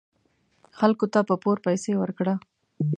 خلکو ته په پور پیسې ورکړه .